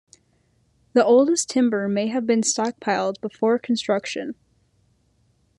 The oldest timber may have been stockpiled before construction.